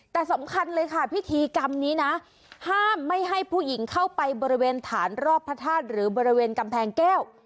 แต่สำคัญเลยค่ะพิธีกรรมนี้นะห้ามไม่ให้ผู้หญิงเข้าไปบริเวณฐานรอบพระธาตุหรือบริเวณกำแพงแก้ว